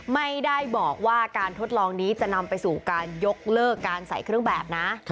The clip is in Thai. ไม่ได้บอกว่าการทดลองนี้จะนำไปสู่การยกเลิกการใส่เครื่องแบบนะ